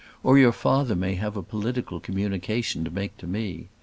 Or your father may have a political communication to make to me.